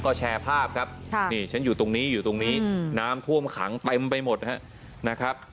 ก็แชร์ภาพครับนี่ฉันอยู่ตรงนี้อยู่ตรงนี้น้ำท่วมขังเต็มไปหมดนะครับ